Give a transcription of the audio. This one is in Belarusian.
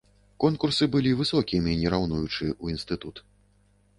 Конкурсы былі высокімі, не раўнуючы, у інстытут.